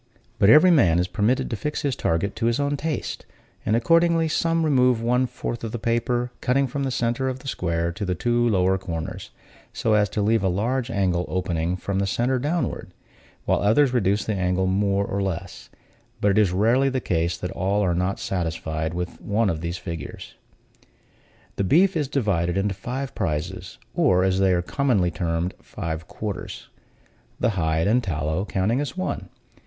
But every man is permitted to fix his target to his own taste; and accordingly, some remove one fourth of the paper, cutting from the center of the square to the two lower corners, so as to leave a large angle opening from the center downward; while others reduce the angle more or less: but it is rarely the case that all are not satisfied with one of these figures. The beef is divided into five prizes, or, as they are commonly termed, five quarters the hide and tallow counting as one.